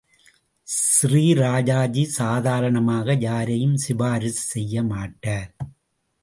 ஸ்ரீ ராஜாஜி சாதாரணமாக யாரையும் சிபாரிசு செய்யமாட்டார்.